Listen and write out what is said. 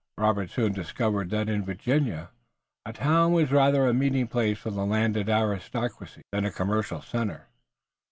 Robert soon discovered that in Virginia a town was rather a meeting place for the landed aristocracy than a commercial center.